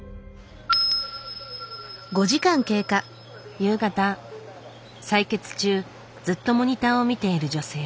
夕方採血中ずっとモニターを見ている女性。